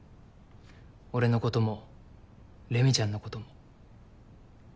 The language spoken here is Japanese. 俺のこともレミちゃんのことも。